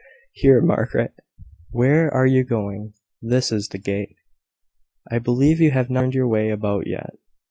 "Here, Margaret, where are you going? This is the gate. I believe you have not learned your way about yet."